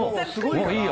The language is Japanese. もういいよ